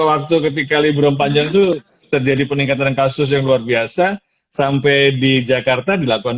waktu ketika liburan panjang itu terjadi peningkatan kasus yang luar biasa sampai di jakarta dilakukan